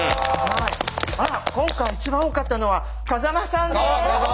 あら今回一番多かったのは風間さんです。